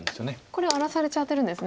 これ荒らされちゃってるんですね。